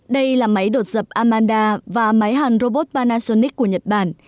đây là máy đột dập amanda và máy hàn robot panasonic của nhật bản